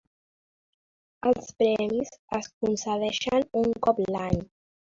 Els premis es concedeixen un cop l'any.